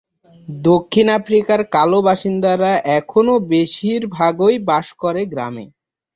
দক্ষিণ আফ্রিকার কালো বাসিন্দারা এখনো বেশির ভাগই বাস করে গ্রামে।